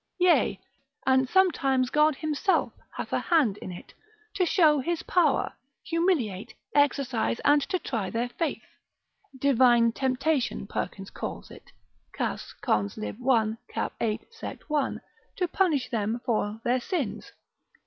Yea, and sometimes GOD himself hath a hand in it, to show his power, humiliate, exercise, and to try their faith, (divine temptation, Perkins calls it, Cas. cons. lib. 1. cap. 8. sect. 1.) to punish them for their sins.